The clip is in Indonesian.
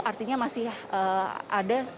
artinya masih ada